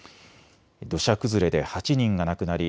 土砂崩れで８人が亡くなり